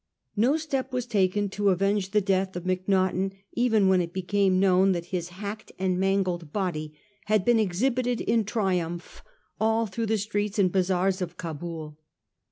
No step was taken to avenge the death of Macnaghten even when it became known that his hacked and mangled body had been exhibited in triumph all through the streets and bazaars of Cabul.